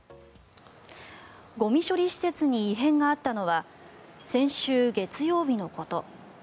ゴミ処理施設に異変があったのは先週月曜日のこと。